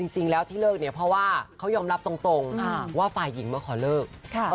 จริงแล้วที่เลิกเนี่ยเพราะว่าเขายอมรับตรงว่าฝ่ายหญิงมาขอเลิก